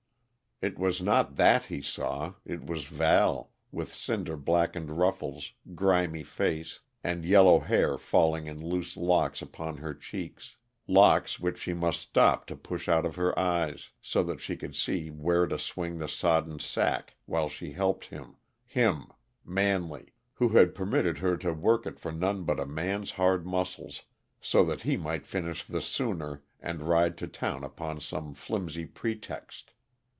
It was not that he saw it was Val, with cinder blackened ruffles, grimy face, and yellow hair falling in loose locks upon her cheeks locks which she must stop to push out of her eyes, so that she could see where to swing the sodden sack while she helped him him, Manley, who had permitted her to do work it for none but a man's hard muscles, so that he might finish the sooner and ride to town upon some flimsy pretext.